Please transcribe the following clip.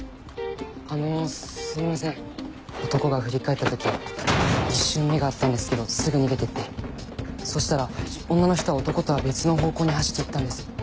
あのすいません男が振り返った時一瞬目が合ったんですけどすぐ逃げてってそしたら女の人は男とは別の方向に走って行ったんです。